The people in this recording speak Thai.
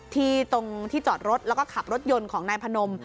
ตรงที่จอดรถแล้วก็ขับรถยนต์ของนายพนม